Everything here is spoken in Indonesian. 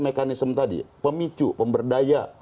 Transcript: mekanisme tadi pemicu pemberdaya